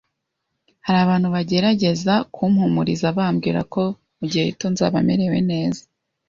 Hari abantu bagerageza kumpumuriza bambwira ko mu gihe gito nzaba merewe neza,